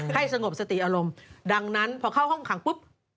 สงบสติอารมณ์ดังนั้นพอเข้าห้องขังปุ๊บ